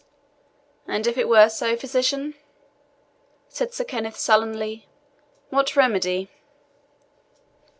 "And if it were so, physician," said Sir Kenneth sullenly, "what remedy?"